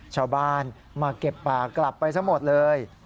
ชาวบ้านมาเก็บป่ากลับไปซะหมดเลย